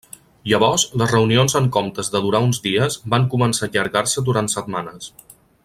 Llavors les reunions en comptes de durar uns dies van començar a allargar-se durant setmanes.